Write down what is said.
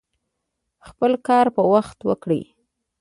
خپل کار په وخت وکړئ